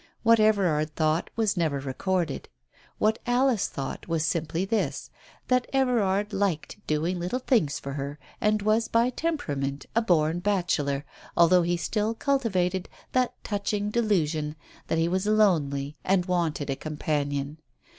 What Everard thought was never recorded. What Alice thought was simply this, that Everard liked doing little things for her and was by temperament a born bachelor, although he still cultivated that touching delusion that he was lonely and wanted a companion.